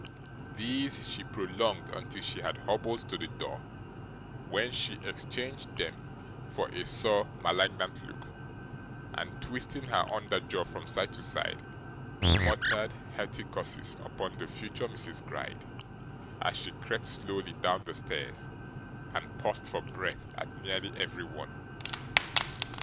These she prolonged until she had hobbled to the door, when she exchanged them for a sour malignant look, and twisting her under jaw from side to side, muttered hearty curses upon the future Mrs. Gride, as she crept slowly down the stairs, and paused for breath at nearly every one.